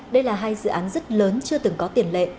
đây là hai dự án rất lớn chưa từng có tiền lệ